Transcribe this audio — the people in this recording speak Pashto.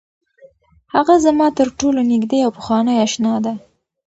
هغه زما تر ټولو نږدې او پخوانۍ اشنا ده.